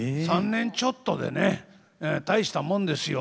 ３年ちょっとでね大したもんですよ。